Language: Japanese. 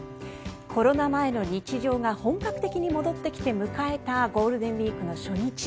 コロナ前の日常が本格的に戻ってきて迎えたゴールデンウィークの初日。